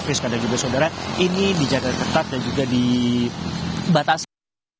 rizka dan juga saudara ini dijaga ketat dan juga dibatasi